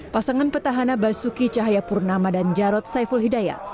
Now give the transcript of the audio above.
pasangan petahana basuki cahayapurnama dan jarod saiful hidayat